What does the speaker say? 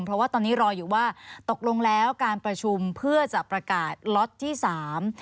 เพราะว่าตอนนี้รออยู่ว่าตกลงแล้วการประชุมเพื่อจะประกาศล็อตที่สาม